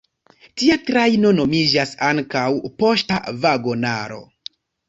Tia trajno nomiĝas ankaŭ "poŝta vagonaro".